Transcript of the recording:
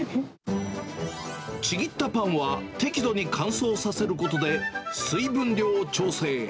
ちぎったパンは、適度に乾燥させることで、水分量を調整。